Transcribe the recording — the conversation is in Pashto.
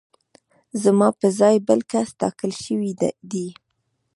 زما په ځای بل کس ټاکل شوی دی